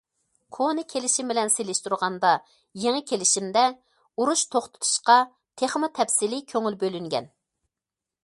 كونا كېلىشىم بىلەن سېلىشتۇرغاندا، يېڭى كېلىشىمدە ئۇرۇش توختىتىشقا تېخىمۇ تەپسىلىي كۆڭۈل بۆلۈنگەن.